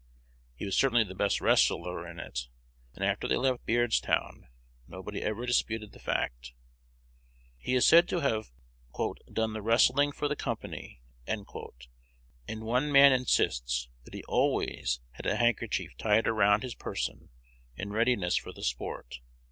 He was certainly the best wrestler in it, and after they left Beardstown nobody ever disputed the fact. He is said to have "done the wrestling for the company;" and one man insists that he always had a handkerchief tied around his person, in readiness for the sport.